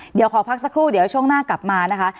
เดี๋ยวขอพักสักครู่เดี๋ยวช่วงหน้ากลับมานะคะ